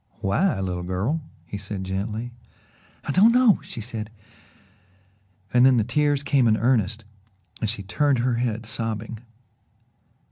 "Why, little girl?" he said gently. "I don't know " she said and then the tears came in earnest and she turned her head, sobbing.